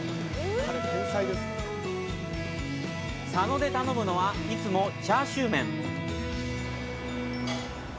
佐野で頼むのは、いつもチャーシューメン。